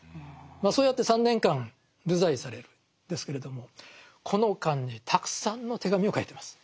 そうやって３年間流罪されるんですけれどもこの間にたくさんの手紙を書いてます。